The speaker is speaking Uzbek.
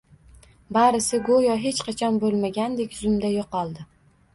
— barisi, go‘yo hech qachon bo‘lmagandek, zumda yo‘qoldi.